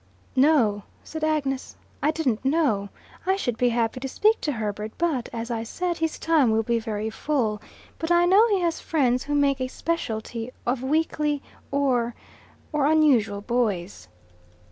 "No," said Agnes, "I didn't know. I should be happy to speak to Herbert, but, as I said, his time will be very full. But I know he has friends who make a speciality of weakly or or unusual boys."